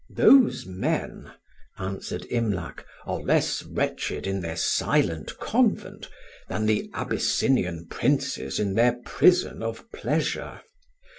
"Those men," answered Imlac, "are less wretched in their silent convent than the Abyssinian princes in their prison of pleasure.